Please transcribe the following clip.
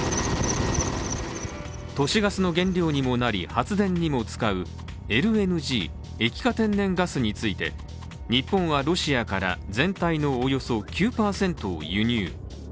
都市ガスの原料にもなり、発電にも使うＬＮＧ＝液化天然ガスについて日本はロシアから全体のおよそ９％を輸入。